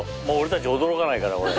もう俺たち驚かないから。